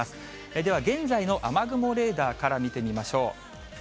では、現在の雨雲レーダーから見てみましょう。